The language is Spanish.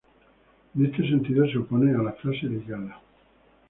En este sentido, se opone a la frase ligada.